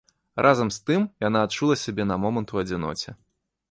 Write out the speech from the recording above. Разам з тым яна адчула сябе на момант у адзіноце.